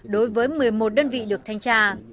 đối với một mươi một đơn vị được thanh tra